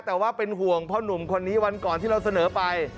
แต่ว่าเป็นห่วงพ่อหนุ่มคนนี้วันก่อนที่เราเสนอไป